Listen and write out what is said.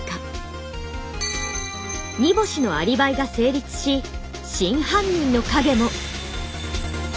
荷星のアリバイが「成立」し「真犯人」の影も。